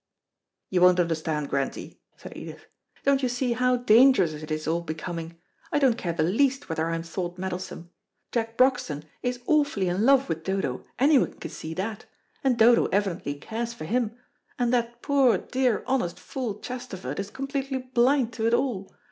"You won't understand, Grantie," said Edith. "Don't you see how dangerous it is all becoming? I don't care the least whether I am thought meddlesome. Jack Broxton is awfully in love with Dodo, anyone can see that, and Dodo evidently cares for him; and that poor, dear, honest fool Chesterford is completely blind to it all.